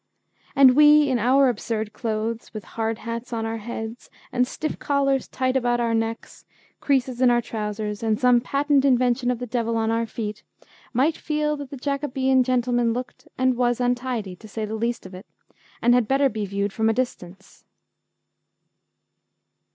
And we, in our absurd clothes, with hard hats on our heads, and stiff collars tight about our necks, creases in our trousers, and some patent invention of the devil on our feet, might feel that the Jacobean gentleman looked and was untidy, to say the least of it, and had better be viewed from a distance.